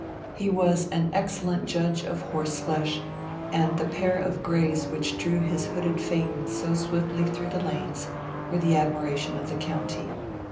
He was an excellent judge of horse flesh, and the pair of greys which drew his hooded phaeton so swiftly through the lanes were the admiration of the county.